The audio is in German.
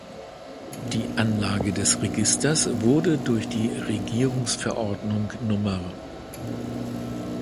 Die Anlage des Registers wurde durch die Regierungsverordnung Nr.